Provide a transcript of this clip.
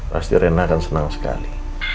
pasti rena akan senang sekali